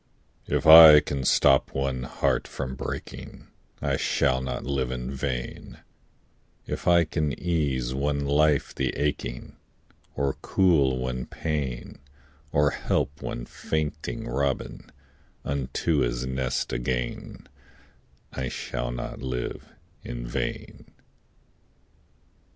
VI. If I can stop one heart from breaking, I shall not live in vain; If I can ease one life the aching, Or cool one pain, Or help one fainting robin Unto his nest again, I shall not live in vain.